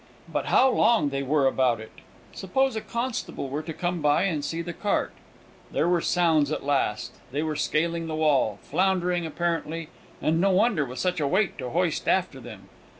But how long they were about it! Suppose a constable were to come by and see the cart! There were sounds at last; they were scaling the wall floundering, apparently; and no wonder, with such a weight to hoist after them!